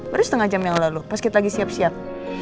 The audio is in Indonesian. baru setengah jam yang lalu pas kita lagi siap siap